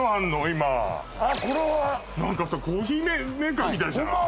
今何かさコーヒーメーカーみたいじゃない？